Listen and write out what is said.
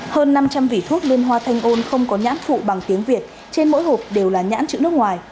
hơn năm trăm linh vỉ thuốc liên hoa thanh ôn không có nhãn phụ bằng tiếng việt trên mỗi hộp đều là nhãn chữ nước ngoài